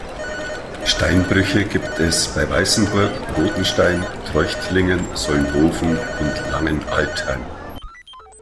Steinbrüche gibt es bei Weißenburg, Rothenstein, Treuchtlingen, Solnhofen und Langenaltheim.